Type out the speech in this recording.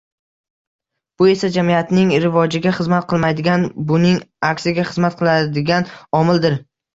Bu esa jamiyatning rivojiga xizmat qilmaydigan, buning aksiga xizmat qiladigan omildir.